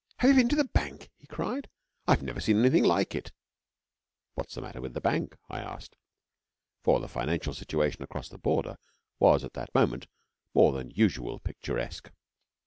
'Have you been to the Bank?' he cried. 'I've never seen anything like it!' 'What's the matter with the Bank?' I asked: for the financial situation across the Border was at that moment more than usual picturesque.